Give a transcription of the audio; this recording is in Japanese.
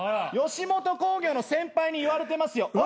吉本興業の先輩に言われてますよ。